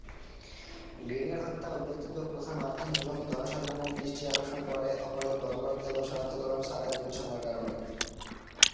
গ্রিনের হত্যা উল্লেখযোগ্য প্রচার মাধ্যম এবং জনসাধারণের দৃষ্টি আকর্ষণ করে অপরাধের বর্বরতা এবং শনাক্তকরণ ছাড়াই দীর্ঘ সময়ের কারণে।